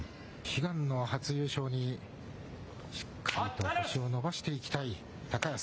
悲願の初優勝に、しっかりと星を伸ばしていきたい高安。